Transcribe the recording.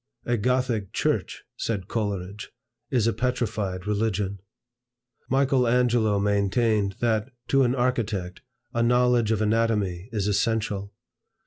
"A Gothic church," said Coleridge, "is a petrified religion." Michael Angelo maintained, that, to an architect, a knowledge of anatomy is essential.